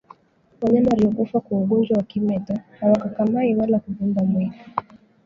Wanyama waliokufa kwa ugonjwa wa kimeta hawakakamai wala kuvimba mwili